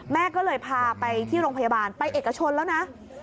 แม่ก็เลยพาไปที่โรงพยาบาลไปเอกชนแล้วนะ